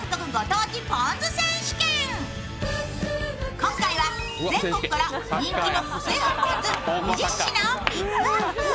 今回は全国から人気の個性派ぽん酢２０品をピックアップ。